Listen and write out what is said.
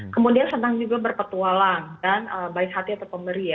kemudian senang juga berpetualang dan baik hati atau pemberi ya